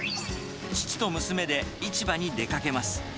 父と娘で市場に出かけます。